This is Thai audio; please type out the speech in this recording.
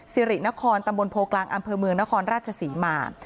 สิรินครตำบลโพกลางอำเภอเมืองนครราชศรีมา